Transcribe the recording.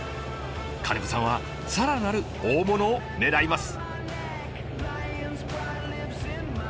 金子さんは更なる大物を狙います。